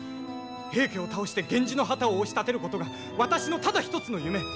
平家を倒して源氏の旗を押し立てることが私のただ一つの夢！